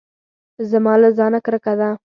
زما له ځانه کرکه ده .